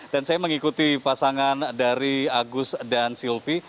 dan saya mengikuti pasangan dari agus dan silvi